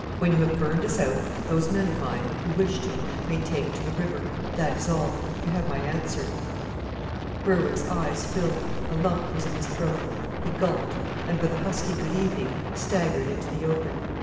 When you have burned us out, those men of mine who wish to may take to the river. That is all. You have my answer." Berwick's eyes filled; a lump was in his throat. He gulped, and with a husky "Good evening!" staggered into the open.